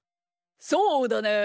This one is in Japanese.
そうだねえ。